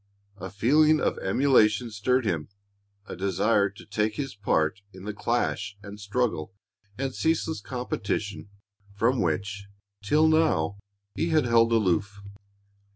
A feeling of emulation stirred him, a desire to take his part in the clash and struggle and ceaseless competition from which, till now, he had held aloof.